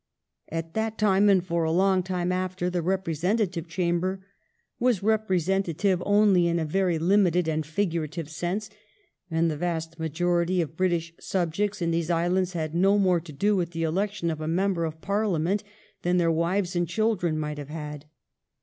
At that time, and for long after, the representative chamber was representative only in a very limited and figurative sense, and the vast majority of British subjects in these islands had no more to do with the election of a member of Parliament than their wives and children might have had.